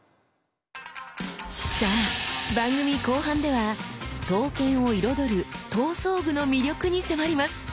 さあ番組後半では刀剣を彩る刀装具の魅力に迫ります。